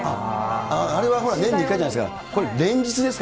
あれはほら、年に１回じゃないですか。